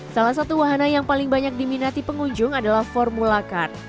salah satu wahana yang paling banyak diminati pengunjung adalah formula car